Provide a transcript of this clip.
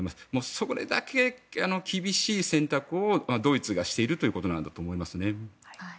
それだけ厳しい選択をドイツがしているということなんだと思いますね。